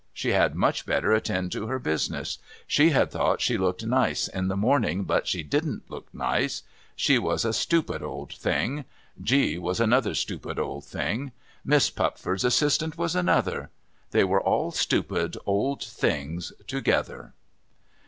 She had much better attend to her business. She had thought she looked nice in the morning, but she didn't look nice. She was a stupid old thing. G was another stupid old thing. Miss Pupford's assistant was another. They were all stupid old things together.